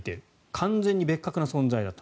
完全に別格な存在だと。